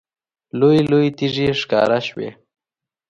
لویې لویې تیږې ښکاره شوې.